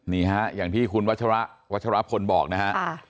นี่ฮะอย่างที่คุณวัชระวัชรพลบอกนะฮะ